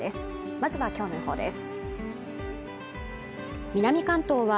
まずは今日の予報です。